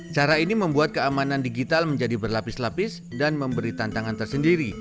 cara ini membuat keamanan digital menjadi berlapis lapis dan memberi tantangan tersendiri